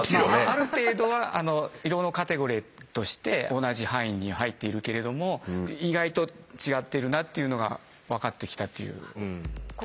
ある程度はあの色のカテゴリーとして同じ範囲に入っているけれども意外と違ってるなっていうのが分かってきたというふうに。